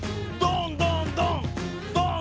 どんどんどん！